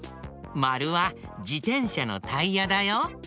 まるはじてんしゃのタイヤだよ。